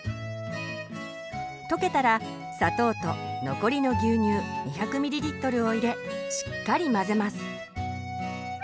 溶けたら砂糖と残りの牛乳２００ｍｌを入れしっかり混ぜます。